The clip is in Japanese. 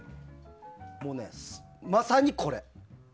もうね、まさにこれ。